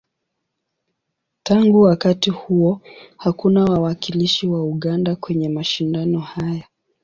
Tangu wakati huo, hakuna wawakilishi wa Uganda kwenye mashindano haya.